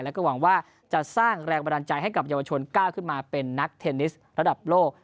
แล้วก็หวังว่าจะสร้างแรงบันดาลใจให้กับเยาวชนก้าวขึ้นมาเป็นนักเทนนิสระดับโลก